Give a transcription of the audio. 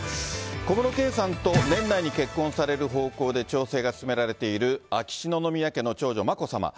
小室圭さんと年内に結婚される方向で調整が進められている、秋篠宮家の長女、眞子さま。